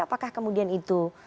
apakah kemudian itu